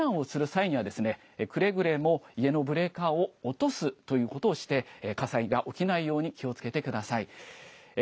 避難をする際にはくれぐれも家のブレーカーを落とすということをして火災が起きないように気をつけてください。